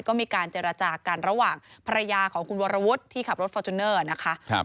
ก็มีการเจรจากันระหว่างภรรยาของคุณวรวุฒิที่ขับรถฟอร์จูเนอร์นะคะ